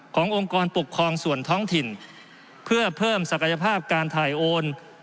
องค์กรปกครองส่วนท้องถิ่นเพื่อเพิ่มศักยภาพการถ่ายโอน